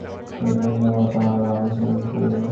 সম্রাট-সৈন্য অবিলম্বে সেখানেও তাঁহার অনুসরণ করিল।